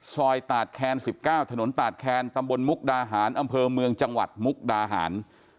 ตาดแคน๑๙ถนนตาดแคนตำบลมุกดาหารอำเภอเมืองจังหวัดมุกดาหาร